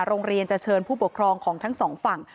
โรงเรียนจะเชิญผู้ปกครองของทั้งสองฝั่ง